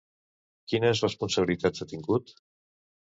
Quines responsabilitats ha tingut?